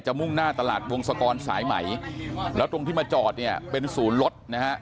มุ่งหน้าตลาดวงศกรสายใหม่แล้วตรงที่มาจอดเนี่ยเป็นศูนย์รถนะฮะ